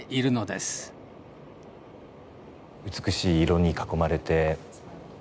美しい色に囲まれて。